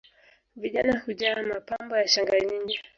Vijana hujaa mapambo ya shanga nyingi